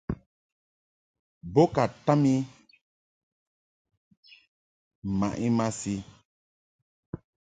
Bo ka tam I mmaʼ I masi.